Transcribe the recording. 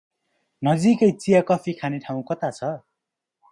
नजिकै चिया कफि खाने ठाउँ कता छ?